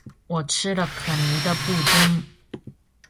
我吃了可妮的布丁